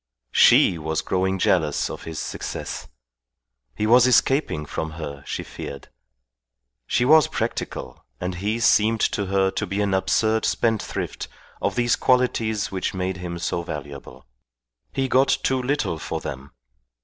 She was growing jealous of his success. He was escaping from her, she feared. She was practical, and he seemed to her to be an absurd spendthrift of these qualities which made him so valuable. He got too little for them.